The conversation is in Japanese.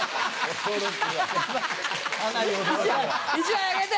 １枚１枚あげて！